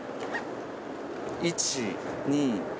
１２。